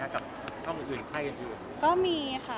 ก็อาจจะไม่ได้เปลี่ยนแพนนะคะ